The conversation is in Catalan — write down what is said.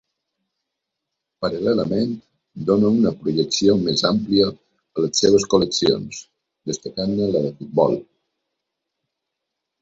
Paral·lelament, dóna una projecció més àmplia a les seves col·leccions, destacant-ne la de futbol.